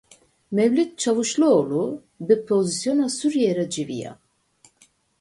Mevlut Çavuşoglu bi opozîsyona Sûriyeyê re civiya.